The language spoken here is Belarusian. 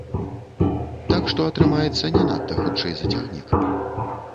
Так што атрымаецца не надта хутчэй за цягнік.